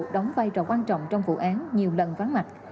đóng vai trò quan trọng trong vụ án nhiều lần vắng mặt